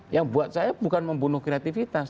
yang buat saya bukan membunuh kreativitas